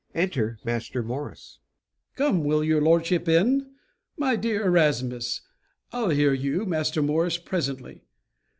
[Enter Master Morris.] Come, will your lordship in? My dear Erasmus I'll hear you, Master Morris, presently.